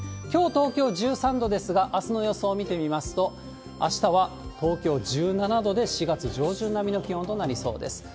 きょう東京１３度ですが、あすの予想見てみますと、あしたは東京１７度で、４月上旬並みの気温となりそうです。